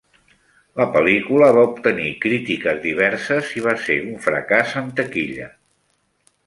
La pel·lícula va obtenir crítiques diverses i va ser un fracàs en taquilla.